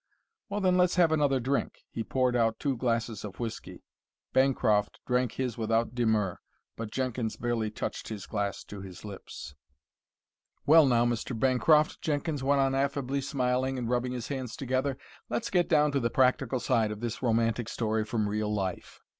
Well, then, let's have another drink." He poured out two glasses of whiskey. Bancroft drank his without demur, but Jenkins barely touched his glass to his lips. "Well, now, Mr. Bancroft," Jenkins went on affably, smiling and rubbing his hands together, "let's get down to the practical side of this romantic story from real life.